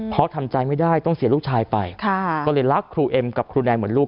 เพราะทำใจไม่ได้ต้องเสียลูกชายไปก็เลยรักครูเอ็มกับครูแนนเหมือนลูก